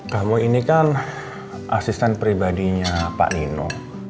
kamu ini kan asisten pribadinya pak nino